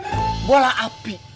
hantu bola api